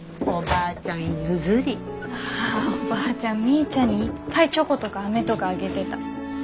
ああおばあちゃんみーちゃんにいっぱいチョコとかあめとかあげてた。